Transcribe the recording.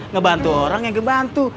ngebantu orang yang ngebantu